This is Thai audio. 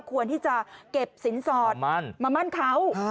ควรที่จะเก็บสินสอดมามั่นเขา